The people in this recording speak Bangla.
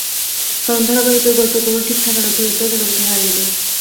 কারণ, ধারাবাহিকের গল্পের কোনো ঠিক থাকে না, চরিত্রও যেন কোথায় হারিয়ে যায়।